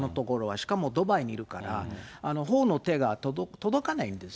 しかもドバイにいるから、法の手が届かないんですよね。